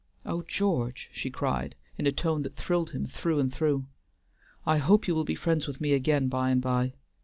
Oh George!" she cried, in a tone that thrilled him through and through, "I hope you will be friends with me again by and by.